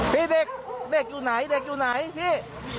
พี่เด็กอยู่ไหนพี่